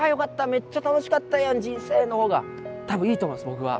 めっちゃ楽しかったやん人生」の方が多分いいと思います僕は。